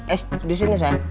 eh di sini ceng